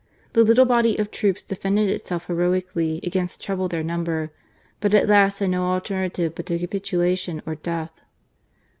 The little body of' troops defended itself heroically against treble their number, but at last had no alternative but capitula tion or death.